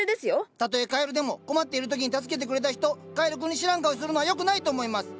たとえカエルでも困っている時に助けてくれた人カエル君に知らん顔するのはよくないと思います！